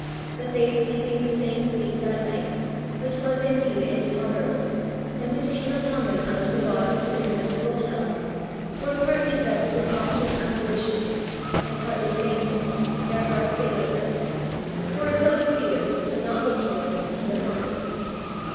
"... But they sleeping the same sleep that night, which was indeed intolerable, and which came upon them out of the bottoms of inevitable hell, "Were partly vexed with monstrous apparitions, and partly fainted, their heart failing them: for a sudden fear, and not looked for, came upon them.